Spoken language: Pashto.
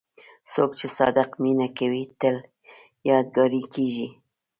څوک چې صادق مینه کوي، تل یادګاري کېږي.